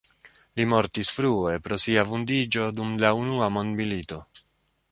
Li mortis frue pro sia vundiĝo dum la unua mondmilito.